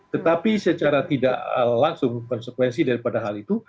tetapi secara tidak langsung konsekuensi daripada hal itu